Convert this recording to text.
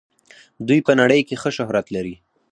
دوی په نړۍ کې ښه شهرت لري.